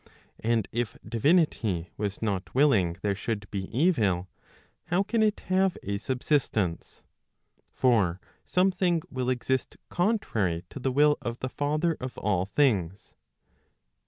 And if divinity was not * willing there should be evil, how can it have a subsistence? For some¬ thing will exist contrary to the will of the father of all things.